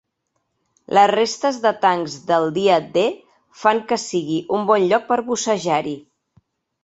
Les restes de tancs del Dia D fan que sigui un bon lloc per bussejar-hi.